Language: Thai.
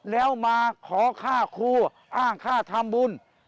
แล้วมาขอค่าครูอ้างค่าทำบุญ